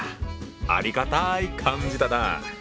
ありがたい漢字だなぁ。